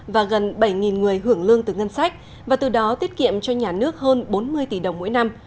và gần bảy người hưởng lương từ ngân sách và từ đó tiết kiệm cho nhà nước hơn bốn mươi tỷ đồng mỗi năm